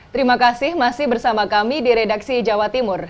terima kasih masih bersama kami di redaksi jawa timur